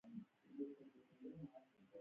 د نجونو تعلیم د پوهنتون سند ترلاسه کول دي.